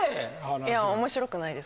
いや面白くないです。